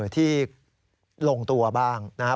ที่ลงตัวบ้างนะครับ